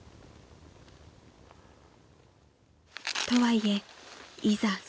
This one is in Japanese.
［とはいえいざ